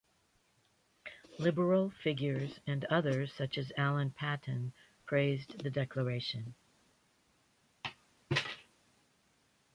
Liberal figures and others such as Alan Paton praised the declaration.